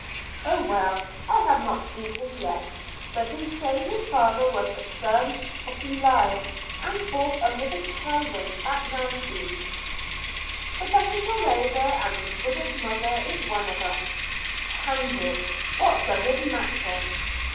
"Oh, well, I have not seen him yet. But they say his father was a son of Belial, and fought under the tyrant at Naseby." "But that is all over and his widowed mother is one of us." "Hang him, what does it matter!"